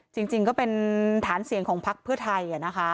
จริงก็เป็นฐานเสียงของพักเพื่อไทยนะคะ